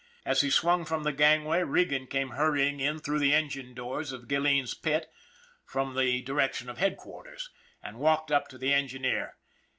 As he swung from the gangway, Regan came hurrying in through the engine doors of Gilleen's pit from the 190 ON THE IRON AT BIG CLOUD direction of headquarters, and walked up to the engineer.